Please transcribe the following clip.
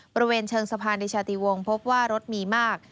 บริเวณเชิงสะพานเดชาติวงพบว่ารถมีมาก